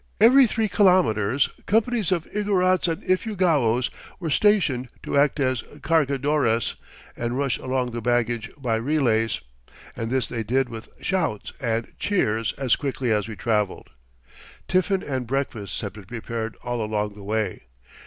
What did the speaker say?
Every three kilometers, companies of Igorots and Ifugaos were stationed to act as cargadores and rush along the baggage by relays, and this they did with shouts and cheers as quickly as we traveled. Tiffin and breakfasts had been prepared all along the way.